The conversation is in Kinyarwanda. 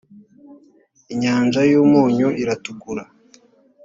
inyanja y umunyu iratukura